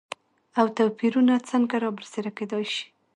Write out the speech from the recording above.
او توپېرونه څنګه رابرسيره کېداي شي؟